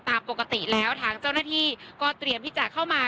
ตามปกติแล้วทางเจ้าหน้าที่ก็เตรียมที่จะเข้ามา